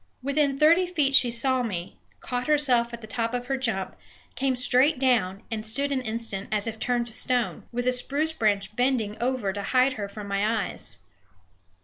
Within thirty feet she saw me, caught herself at the top of her jump, came straight down, and stood an instant as if turned to stone, with a spruce branch bending over to hide her from my eyes.